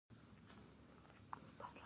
موږ د کانټ له نظریاتو ګټه اخلو.